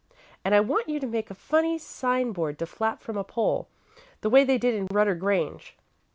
And I want you to make a funny sign board to flap from a pole, the way they did in 'Rudder Grange.'